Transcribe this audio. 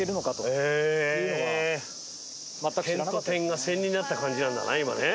点と点が線になった感じなんだな今ねぇ。